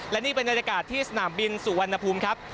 และนี่เป็นบรรยากาศที่สนามบินสุวรรณภูมิครับ